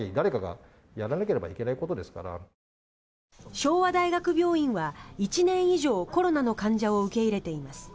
昭和大学病院は１年以上コロナの患者を受け入れています。